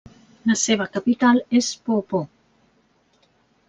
La seva capital és Poopó.